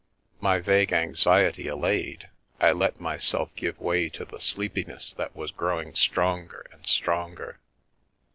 My vague anxiety al layed, I let myself give way to the sleepiness that was growing stronger and stronger.